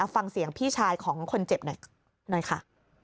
ฟังเสียงพี่ชายของคนเจ็บหน่อยค่ะ